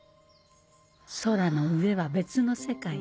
空の上は別の世界。